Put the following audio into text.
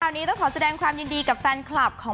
วันนี้ต้องขอแสดงความยินดีกับแฟนคลับของ